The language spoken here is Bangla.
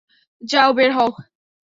যাও, বের হও।